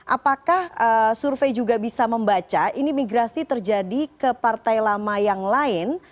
apakah survei juga bisa membaca ini migrasi terjadi ke partai lama yang lain